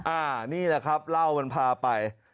อันนี้แหละครับเล่ามันพาไป